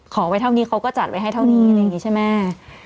ขอไว้เท่านี้เขาก็จัดไว้ให้เท่านี้อะไรอย่างนี้ใช่ไหม